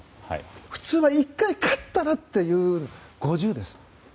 普通は、１回勝ったらというのが５０ですよ。